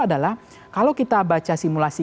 adalah kalau kita baca simulasi